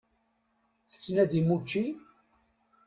Tettnadim učči?